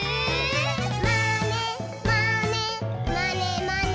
「まねまねまねまね」